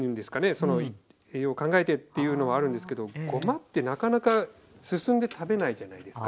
その栄養を考えてっていうのはあるんですけどごまってなかなかすすんで食べないじゃないですか。